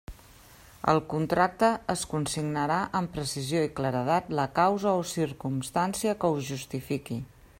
Al contracte es consignarà amb precisió i claredat la causa o circumstància que ho justifiqui.